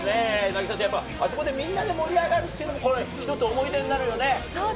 凪咲ちゃん、あそこでみんなで盛り上がるというのも１つ、思い出になるよね。